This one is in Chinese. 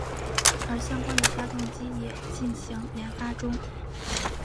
而相关的发动机也进行研发中。